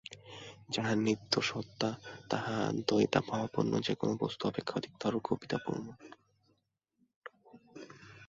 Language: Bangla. যাহা নিত্য সত্তা, তাহা দ্বৈতভাবাপন্ন যে-কোন বস্তু অপেক্ষা অধিকতর কবিত্বপূর্ণ।